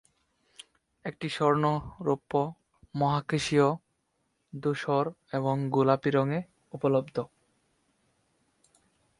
এটি স্বর্ণ, রৌপ্য, মহাকাশীয় ধূসর এবং গোলাপি রঙে উপলব্ধ।